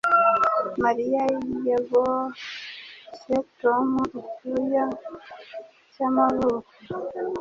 Mariya yaboshye Tom icyuya cyamavuko